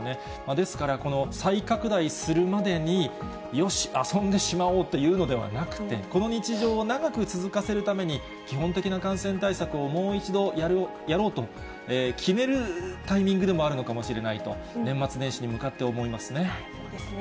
ですから、この再拡大するまでに、よし、遊んでしまおうというのではなくて、この日常を長く続かせるために、基本的な感染対策をもう一度やろうと、決めるタイミングでもあるのかもしれないと、年末年始に向かって思いますね。